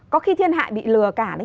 có khi thiên hại bị lừa cả đấy